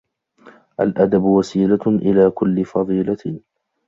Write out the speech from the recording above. الْأَدَبُ وَسِيلَةٌ إلَى كُلِّ فَضِيلَةٍ